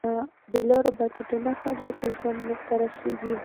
د لارو بندېدو نښه ده چې ژوند ته رسېږي